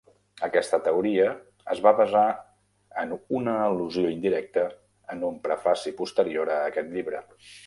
Aquesta teoria es va basar en una al·lusió indirecta en un prefaci posterior a aquest llibre.